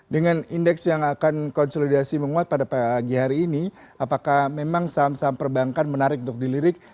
dengan indeks yang akan konsolidasi menguat pada pagi hari ini apakah memang saham saham perbankan menarik untuk dilirik